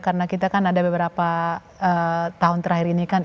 karena kita kan ada beberapa tahun terakhir ini kan